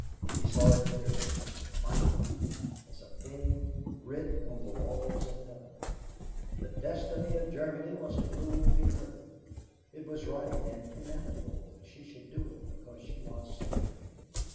He saw it clearly, finally, as a thing writ on the walls of heaven. The destiny of Germany was to rule the earth. It was right and inevitable that she should do it because she was superior.